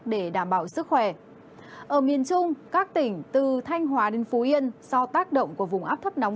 để đảm bảo sức khỏe ở miền trung các tỉnh từ thanh hóa đến phú yên do tác động của vùng áp thấp nóng